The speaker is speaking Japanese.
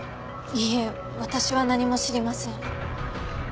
いいえ私は何も知りません。